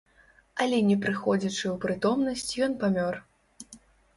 Але не прыходзячы ў прытомнасць ён памёр.